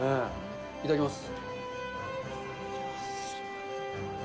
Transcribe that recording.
いただきます。